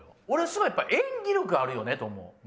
俺すごいやっぱ演技力あるよねと思う。